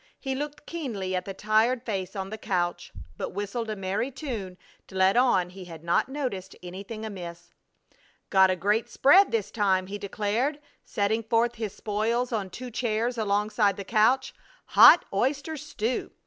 He looked keenly at the tired face on the couch, but whistled a merry tune to let on he had not noticed anything amiss. "Got a great spread this time," he declared, setting forth his spoils on two chairs alongside the couch. "Hot oyster stew!